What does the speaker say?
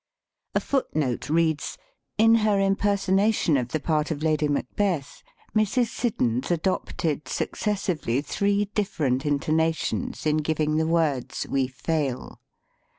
A foot note reads: "In her imperson ation of the part of Lady Macbeth, Mrs. Siddons adopted successively three different intonations in giving the words 'we fail.'